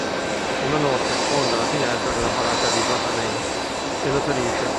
Una notte sfonda la finestra della baracca di Vatanen e lo ferisce.